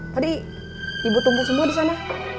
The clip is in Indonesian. tadi ibu tunggu semua di sana